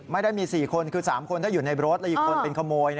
ไม่ได้มี๔คนคือ๓คนถ้าอยู่ในรถและอีกคนเป็นขโมย